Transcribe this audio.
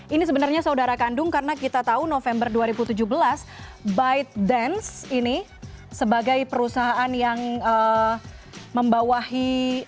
ini sebenarnya saudara kandung karena kita tahu november dua ribu tujuh belas bite dance ini sebagai perusahaan yang membawahi